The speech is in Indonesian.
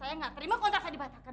saya gak terima kontrak saya dibatalkan